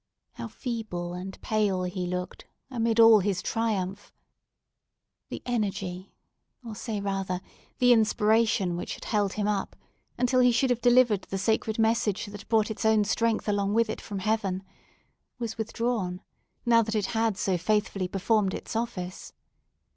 How feeble and pale he looked, amid all his triumph! The energy—or say, rather, the inspiration which had held him up, until he should have delivered the sacred message that had brought its own strength along with it from heaven—was withdrawn, now that it had so faithfully performed its office.